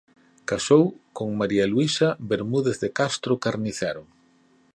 Casou con María Luisa Bermúdez de Castro Carnicero.